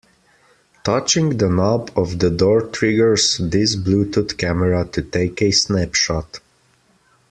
Touching the knob of the door triggers this Bluetooth camera to take a snapshot.